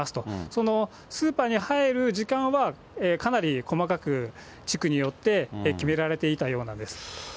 そのスーパーに入る時間はかなり細かく、地区によって決められていたようなんです。